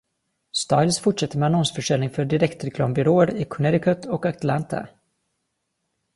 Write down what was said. Styles fortsatte med annonsförsäljning för direktreklambyråer i Connecticut och Atlanta.